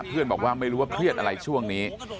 บอกว่าไม่รู้ว่าเครียดอะไรช่วงนี้